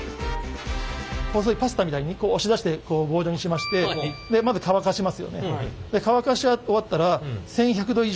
細いパスタみたいに押し出して棒状にしましてまず乾かしますよね。